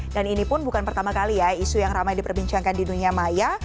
dan ini pun bukan pertama kali ya isu yang ramai diperbincangkan di dunia maya